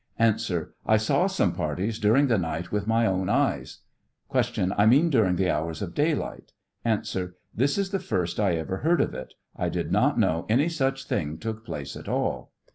A, I saw some parties during the night with my own eyes. Q. I mean during the hours of daylight ? A. This is the first I ever heard of it ; I did not know any such thing took place at all.